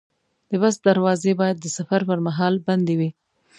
د بس دروازې باید د سفر پر مهال بندې وي.